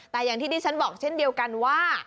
แต่อย่างที่ดิฉันบอกเช่นเดียวกันว่า